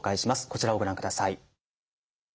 こちらをご覧ください。